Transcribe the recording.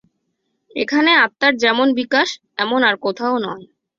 এখানে আত্মার যেমন বিকাশ, এমন আর কোথাও নয়।